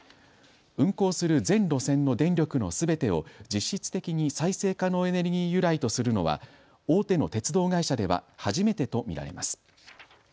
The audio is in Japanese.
運行する全路線の電力のすべてを実質的に再生可能エネルギー由来とするのは大手の鉄道会社では初めてと見られます。